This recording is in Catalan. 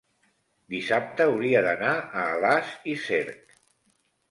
dissabte hauria d'anar a Alàs i Cerc.